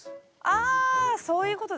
あそういうことですね。